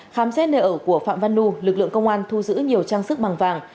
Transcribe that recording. khám xét nợ của phạm văn nhu lực lượng công an thu giữ nhiều trang sức bằng vàng